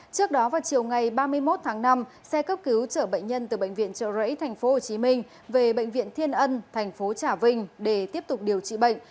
trước đó vào chiều ngày ba mươi một tháng năm xe cấp cứu chở bệnh nhân từ bệnh viện trợ rẫy tp hcm về bệnh viện thiên ân thành phố trà vinh để tiếp tục điều trị bệnh